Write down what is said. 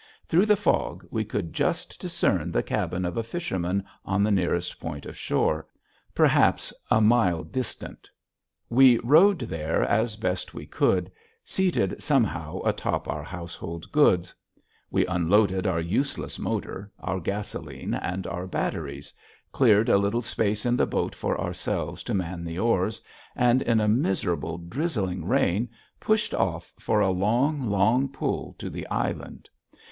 Through the fog we could just discern the cabin of a fisherman on the nearest point of shore perhaps a mile distant. We rowed there as best we could, seated somehow atop our household goods; we unloaded our useless motor, our gasoline, and our batteries, cleared a little space in the boat for ourselves to man the oars, and in a miserable drizzling rain, pushed off for a long, long pull to the island.